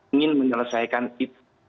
ingin menyelesaikan itu